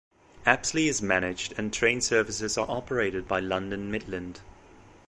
Apsley is managed and train services are operated by London Midland.